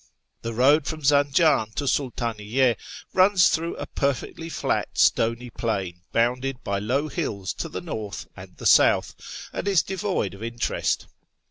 The road from Zanjan to Sultaniyye runs through a per fectly flat stony plain bounded by low hills to the north and the south, and is devoid of interest.